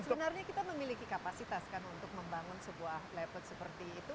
sebenarnya kita memiliki kapasitas kan untuk membangun sebuah laptot seperti itu